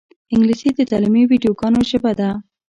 انګلیسي د تعلیمي ویدیوګانو ژبه ده